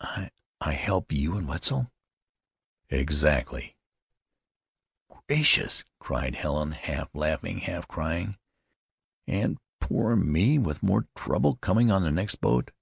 "I I help you and Wetzel?" "Exactly." "Gracious!" cried Helen, half laughing, half crying. "And poor me with more trouble coming on the next boat."